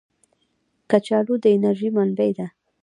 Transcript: کچالو د انرژۍ منبع ده